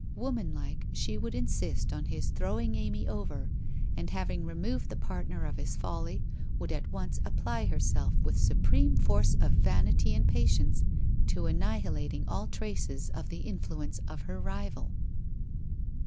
Womanlike, she 164 WHITE ROSE OF WEARY LEAF would insist on his throwing Amy over, and having re moved the partner of his folly, would at once apply herself, with supreme force of vanity and patience, to annihilating all traces of the influence of her rival.